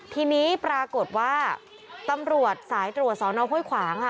ทีนี้ปรากฏว่าตำรวจสายตรวจสอนอห้วยขวางค่ะ